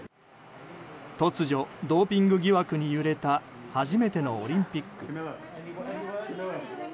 突如ドーピング疑惑に揺れた初めてのオリンピック。